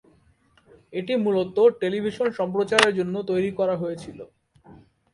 এটি মূলত টেলিভিশন সম্প্রচারের জন্য তৈরি করা হয়েছিল।